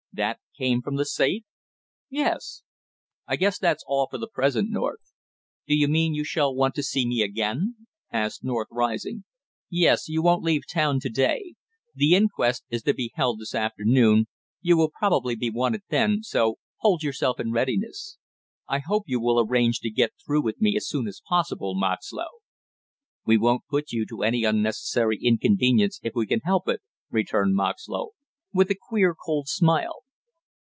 "That came from the safe?" "Yes." "I guess that's all for the present, North." "Do you mean you shall want to see me again?" asked North, rising. "Yes, you won't leave town to day; the inquest is to be held this afternoon, you will probably be wanted then, so hold yourself in readiness." "I hope you will arrange to get through with me as soon as possible, Moxlow!" "We won't put you to any unnecessary inconvenience if we can help it," returned Moxlow, with a queer cold smile.